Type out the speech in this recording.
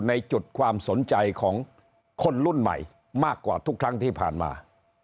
ในจุดความสนใจของคนรุ่นใหม่มากกว่าทุกครั้งที่ผ่านมา